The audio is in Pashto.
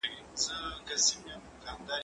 که وخت وي مړۍ خورم